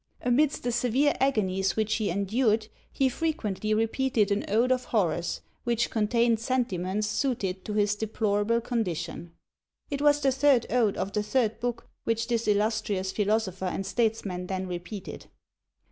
Amidst the severe agonies which he endured he frequently repeated an ode of Horace, which contained sentiments suited to his deplorable condition." It was the third ode of the third book which this illustrious philosopher and statesman then repeated.